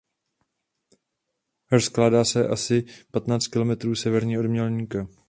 Rozkládá se asi patnáct kilometrů severně od Mělníka.